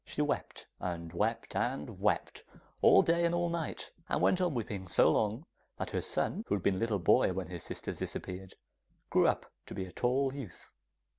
She wept, and wept, and wept, all day and all night, and went on weeping so long, that her son, who had been a little boy when his sisters disappeared, grew up to be a tall youth.